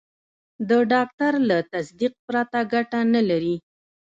د ډاکټر له تصدیق پرته ګټه نه لري.